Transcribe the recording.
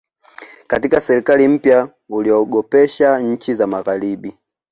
katika serikali mpya uliogopesha nchi za magharibi